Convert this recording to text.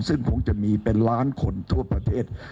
ซึ่งคงจะมีเป็นล้านคนทั่วประเทศ